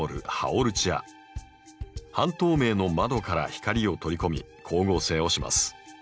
半透明の窓から光を取り込み光合成をします。